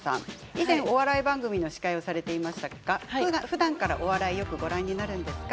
以前お笑い番組の司会をされていましたが、ふだんからお笑いはよくご覧になるんですか。